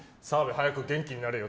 早く元気になれよ。